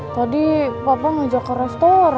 tadi bapak ngajak ke restor